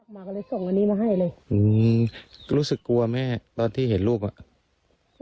มาก็เลยส่งอันนี้มาให้เลยอืมรู้สึกกลัวแม่ตอนที่เห็นลูกอ่ะ